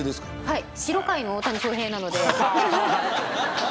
はい。